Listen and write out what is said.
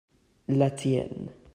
la tienne.